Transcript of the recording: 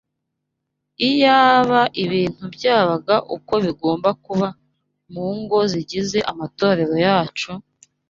Iyaba ibintu byabaga uko bigomba kuba mu ngo zigize amatorero yacu,